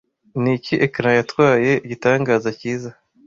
Niki ecran yatwaye Igitangaza Cyiza